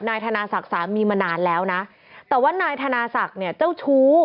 นายธนาศักดิ์สามีมานานแล้วนะแต่ว่านายธนาศักดิ์เนี่ยเจ้าชู้